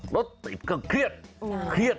รถติดก็เครียด